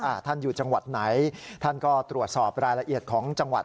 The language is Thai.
ท่านอยู่จังหวัดไหนท่านก็ตรวจสอบรายละเอียดของจังหวัด